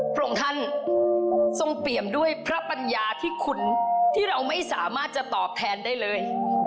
พระองค์ท่านทรงเปรียมด้วยพระปัญญาที่คุณที่เราไม่สามารถจะตอบแทนได้เลย